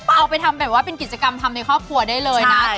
เอาไปทำแบบว่าเป็นกิจกรรมทำในครอบครัวได้เลยนะ